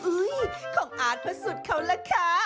อุ๊ยของอาร์ตพระสุทธิ์เขาแหละค่ะ